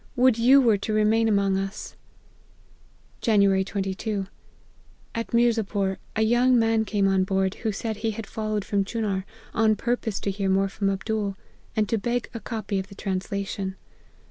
Would you were to remain among us !'"" Jan. 22. At Mirzapore, a young man came on board, who said he had followed from Chunar, on purpose to hear more from Abdool, and to beg a copy of the translation.